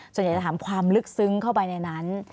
ส่วนใหญ่จะถามความลึกซึ้งเข้าไปในนั้น